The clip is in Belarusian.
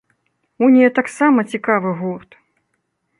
Унія таксама цікавы гурт!